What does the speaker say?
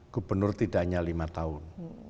gubernur tidak hanya lima tahun